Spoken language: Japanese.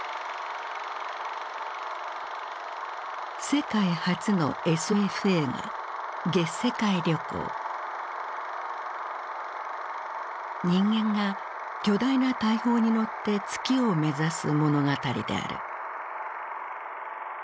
世界初のＳＦ映画人間が巨大な大砲に乗って月を目指す物語である。